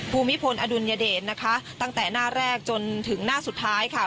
ภูมิพลอดุลยเดชนะคะตั้งแต่หน้าแรกจนถึงหน้าสุดท้ายค่ะ